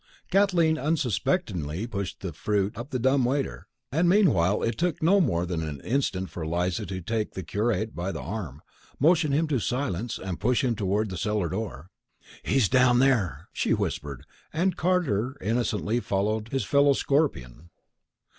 Kathleen unsuspectingly pushed the fruit up the dumb waiter and meanwhile it took no more than an instant for Eliza to take the curate by the arm, motion him to silence, and push him toward the cellar door. "He's down there," she whispered, and Carter innocently followed his fellow Scorpion.